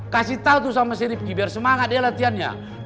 kasih tahu tuh sama sirifqi biar semangat dia latihannya